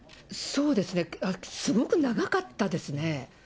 そうですね、すごく長かったですね。